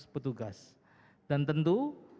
petugas dan tentu